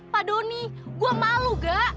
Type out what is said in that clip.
pak doni gue malu gak